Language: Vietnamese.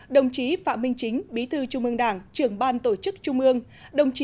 đồng chí phạm minh chính bí thư trung ương đảng trưởng ban tổ chức trung ương